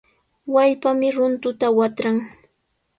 Wallpami runtuta watran.